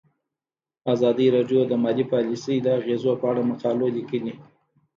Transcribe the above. ازادي راډیو د مالي پالیسي د اغیزو په اړه مقالو لیکلي.